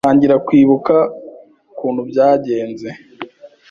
atangira kwibuka ukuntu byagenze